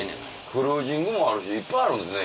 クルージングもあるしいっぱいあるんですね